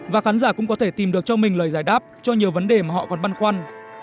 và khán giả cũng có thể tìm được cho mình lời giải đáp cho nhiều vấn đề mà họ còn băn khoăn